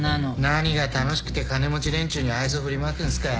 何が楽しくて金持ち連中に愛想振りまくんすか？